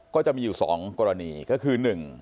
ก็จะมีอยู่๒กรณีก็คือ๑